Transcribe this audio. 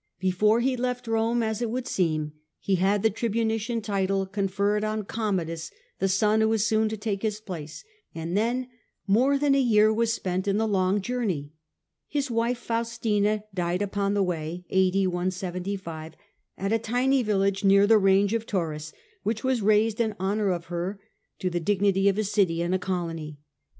Before he left Rome, as it would seem, he had the tribunician title conferred on Commodus, the son who was soon to take his place, and then more than a year was spent in the long journey. His wife 1 ^^^ Faustina died upon the way, at a Faustina tiny village near the range of Taurus, which the way?" was raised, in honour of her, to the dignity of A.D. 175. ^^ colony.